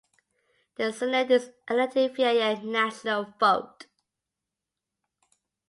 The Senate is elected via national vote.